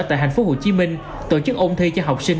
tại tp hcm tổ chức ôn thi cho học sinh